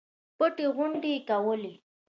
پټې غونډې کولې.